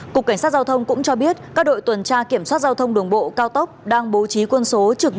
cục cảnh sát giao thông cũng cho biết các đội tuần tra kiểm soát giao thông đường bộ cao tốc đang bố trí quân số trực một trăm linh